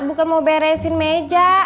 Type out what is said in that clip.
bukan mau beresin meja